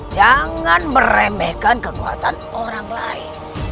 jangan meremehkan kekuatan orang lain